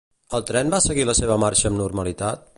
El tren va seguir la seva marxa amb normalitat?